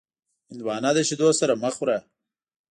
هندوانه د شیدو سره مه خوره.